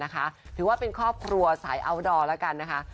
ถือว่าเป็นครอบครัวสายอัลดอร์แล้วกันนะคะ